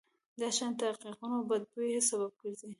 دا شیان د ټېغونو او بد بوی سبب ګرځي.